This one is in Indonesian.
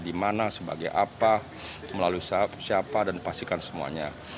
di mana sebagai apa melalui siapa dan pastikan semuanya